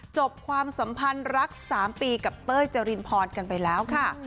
ความสัมพันธ์รัก๓ปีกับเต้ยจรินพรกันไปแล้วค่ะ